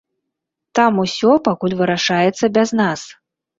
Там усё пакуль вырашаецца без нас.